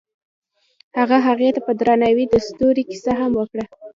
هغه هغې ته په درناوي د ستوري کیسه هم وکړه.